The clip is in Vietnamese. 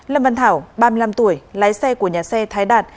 lâm văn thảo ba mươi năm tuổi lái xe của nhà xe thái đạt